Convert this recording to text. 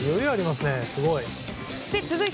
すごい。